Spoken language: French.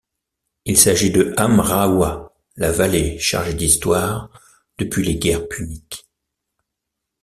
Il s'agit de Amraoua, la vallée chargée d'histoire depuis les guerres puniques.